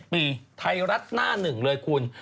๗ปีไทยรัดหน้า๑เลยคุณ